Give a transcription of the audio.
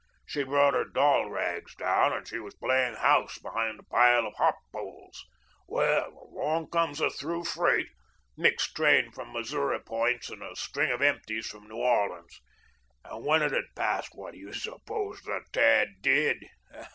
She'd brought her doll rags down and she was playing house behind a pile of hop poles. Well, along comes a through freight mixed train from Missouri points and a string of empties from New Orleans, and when it had passed, what do you suppose the tad did?